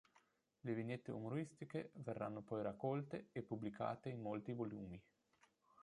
Le vignette umoristiche verranno poi raccolte e pubblicate in molti volumi.